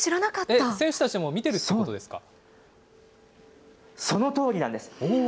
選手たちも見てるということそのとおりなんです。